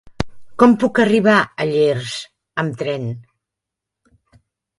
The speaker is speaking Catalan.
Com puc arribar a Llers amb tren?